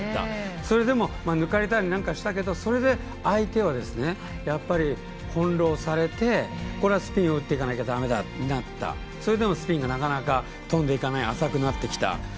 それでも抜かれたりなんかしたけどそれで相手は翻弄されて、これはスピンを打っていかなきゃいけなくなったそれでもスピンがなかなか飛んでいかない浅くなった。